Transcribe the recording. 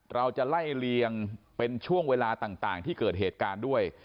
เราจะไล่เลียงเป็นช่วงเวลาต่างที่เกิดเหตุการณ์ด้วย